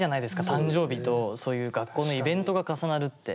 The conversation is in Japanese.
誕生日とそういう学校のイベントが重なるって。